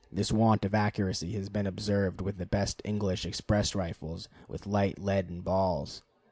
This want of accuracy has been observed with the best English express rifles with light leaden balls.